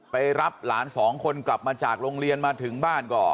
ไปรับหลานสองคนกลับมาจากโรงเรียนมาถึงบ้านก็